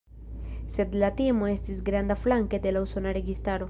Sed la timo estis granda flanke de la usona registaro.